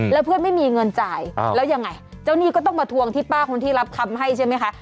แล้วเพื่อนไม่มีเงินจ่ายแล้วยังไงเจ้าหนี้ก็ต้องมาทวงที่ป้าคนที่รับคำให้ใช่ไหมคะ